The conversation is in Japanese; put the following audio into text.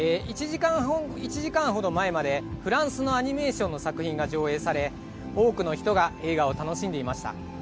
１時間程前までフランスのアニメーションの作品が上映され多くの人が映画を楽しんでいました。